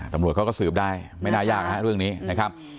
ตำรวจเขาก็สืบได้ไม่น่ายากฮะเรื่องนี้นะครับ